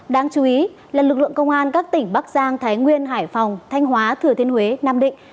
đáng chú ý là lực lượng công an các tỉnh bắc giang thái nguyên hải phòng thanh hóa thừa thiên huế nam định